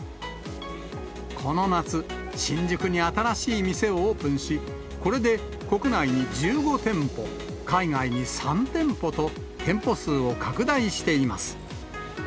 この夏、新宿に新しい店をオープンし、これで国内に１５店舗、海外に３店舗と、店舗数を拡大しています。